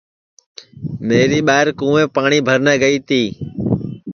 میری ٻائیر کُونٚویپ پاٹؔی بھرنے گئی تی